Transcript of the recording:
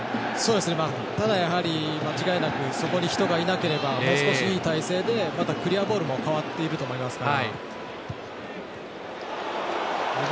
ただ、間違いなくそこに人がいなければもう少し、いい体勢でまたクリアボールも変わっていると思いますから。